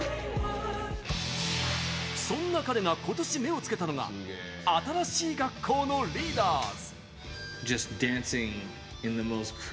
そんな彼が今年、目をつけたのが新しい学校のリーダーズ！